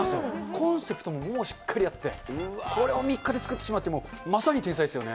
コンセプトももうしっかりあって、これを３日で作ってしまうと、まさに天才ですよね。